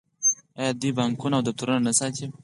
آیا دوی بانکونه او دفترونه نه ساتي؟